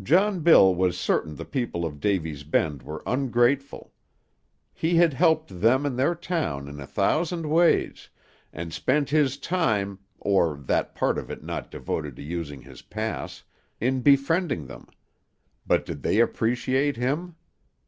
John Bill was certain the people of Davy's Bend were ungrateful. He had helped them and their town in a thousand ways, and spent his time (or that part of it not devoted to using his pass) in befriending them; but did they appreciate him?